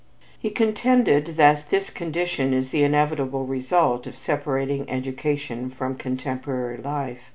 He contended that this condition is the inevitable result of separating education from contemporary life.